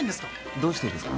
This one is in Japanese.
どうしてですか？